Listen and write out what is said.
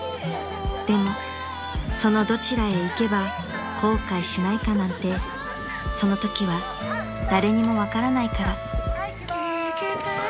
［でもそのどちらへ行けば後悔しないかなんてそのときは誰にも分からないから］はいいきまーす。